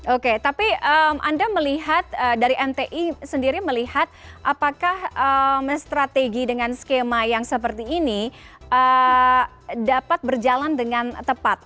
oke tapi anda melihat dari mti sendiri melihat apakah men strategi dengan skema yang lebih tepat